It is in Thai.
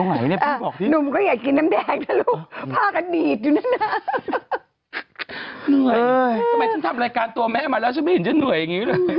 ทำไมฉันทำรายการตัวแม่มาแล้วฉันไม่เห็นฉันเหนื่อยอย่างนี้เลย